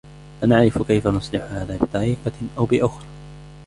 سنعرف كيف نصلح هذا بطريقة أو بأخرى.